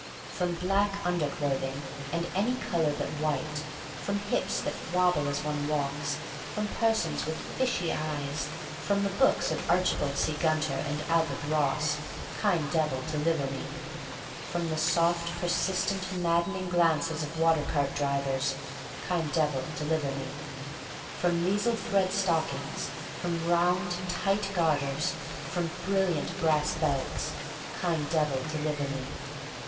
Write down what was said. From black under clothing — and any color but white; from hips that wobble as one walks; from persons with fishy ■ 184 THE STORY OF MARY MAC LANE 1 85 eyes; from the books of Archibald C. Gunter and Albert Ross: Kind Devil, deliver me. From the soft persistent, maddening glances of water cart drivers: Kind Devil, deliver me. From lisle thread stockings; from round, tight garters; from brilliant brass belts: Kind Devil, deliver me.